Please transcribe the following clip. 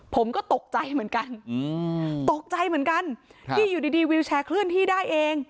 ผมก็ตกใจเหมือนกันตกใจเหมือนกันที่อยู่ดีวิวแชร์เคลื่อนที่ได้เอง